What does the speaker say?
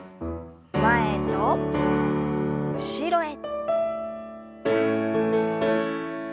前と後ろへ。